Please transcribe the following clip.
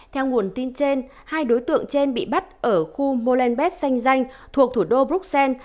theo nguồn tin trên hai đối tượng trên bị bắt ở khu molenbeth sanh danh thuộc thủ đô bruxelles